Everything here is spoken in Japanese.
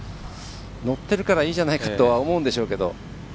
乗ってるからいいじゃないかと思うかもしれませんけど。